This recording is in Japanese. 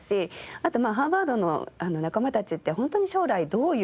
あとまあハーバードの仲間たちってホントに将来どういう。